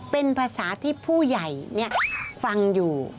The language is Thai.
เป็นภาษาที่ผู้ใหญ่ฟังอยู่